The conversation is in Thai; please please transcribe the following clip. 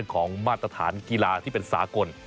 ของมาตรฐานกีฬาที่เป็นสากล